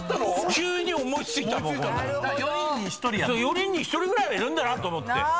４人に１人ぐらいはいるんだなと思って。